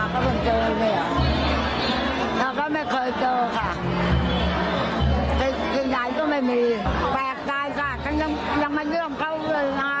แปลกใจค่ะยังไม่เรื่องเขาเลยนะ